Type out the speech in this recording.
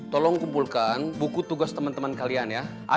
tolong kumpulkan buku tugas teman teman kalian ya